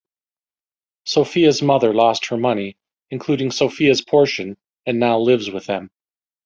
Sophia's mother lost her money, including Sophia's portion, and now lives with them.